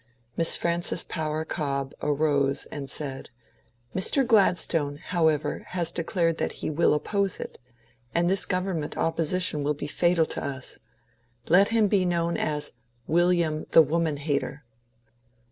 Miss Frances Power Cobbe arose and said, ^^ Mr. Gladstone, however, has declared that he will oppose it ; and this government opposition will be fatal to us. Let him be known as ^ William the Woman hater.'